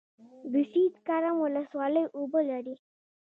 د سید کرم ولسوالۍ اوبه لري